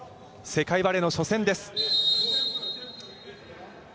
世界バレーの初戦です。